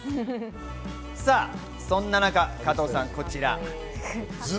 そんな中、加藤さん、こちら。